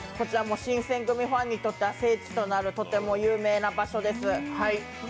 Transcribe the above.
新選組ファンにとっては聖地となるとても有名な場所です。